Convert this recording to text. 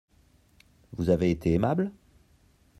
Vous avez été aimable ?